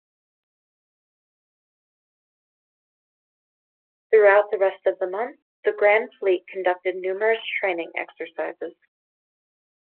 Throughout the rest of the month, the Grand Fleet conducted numerous training exercises.